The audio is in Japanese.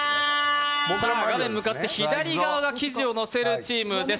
画面向かって左側が生地をのせるチームです。